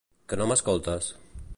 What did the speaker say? Que no m'escoltes?